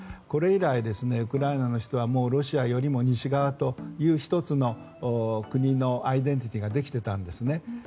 これ以来、ウクライナの人はロシアよりも西側という１つの国のアイデンティティーができていたんですね。